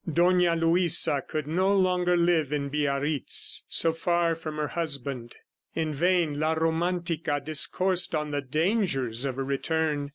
Dona Luisa could no longer live in Biarritz, so far from her husband. In vain la Romantica discoursed on the dangers of a return.